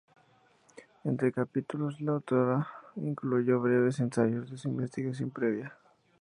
Entre capítulos la autora incluyó breves ensayos de su investigación previa.